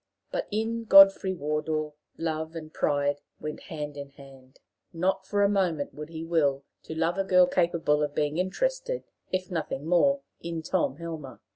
But in Godfrey Wardour love and pride went hand in hand. Not for a moment would he will to love a girl capable of being interested, if nothing more, in Tom Helmer.